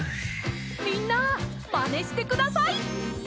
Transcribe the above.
みんなまねしてください！